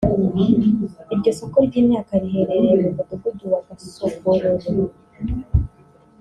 Iryo soko ry’imyaka riherereye mu Mudugudu wa Gasogororo